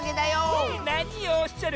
なにをおっしゃる！